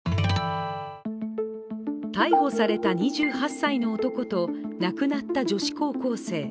逮捕された２８歳の男と亡くなった女子高校生。